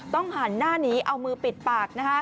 หันหน้าหนีเอามือปิดปาก